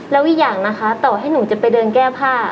แล้วอีกอย่างนะคะต่อให้หนูจะไปเดินแก้ผ้า